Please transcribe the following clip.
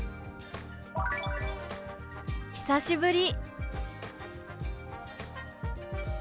「久しぶり」。